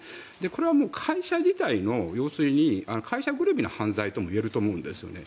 これは会社自体の要するに会社ぐるみの犯罪とも言えると思うんですよね。